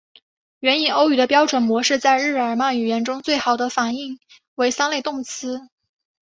原印欧语的标准模式在日耳曼语言中最好的反映为三类动词。